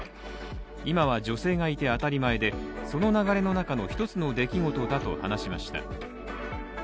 今は女性がいて当たり前でその流れの中の一つの出来事だと話しました。